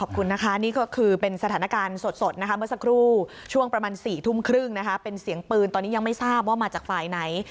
ขอบคุณนะคะนี่ก็คือเป็นสถานการณ์สดนะคะเมื่อสักครู่ช่วงประมาณ๔ทุ่มครึ่งนะคะเป็นเสียงปืนตอนนี้ยังไม่ทราบว่ามาจากฝ่ายไหน